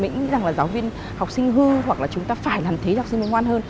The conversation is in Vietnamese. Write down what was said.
nghĩ rằng là giáo viên học sinh hư hoặc là chúng ta phải làm thế cho học sinh mới ngoan hơn